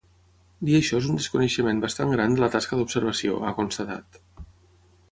Dir això és un desconeixement bastant gran de la tasca d’observació, ha constatat.